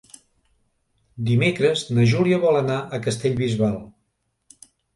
Dimecres na Júlia vol anar a Castellbisbal.